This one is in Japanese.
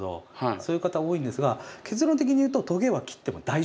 そういう方多いんですが結論的に言うとトゲは切っても大丈夫。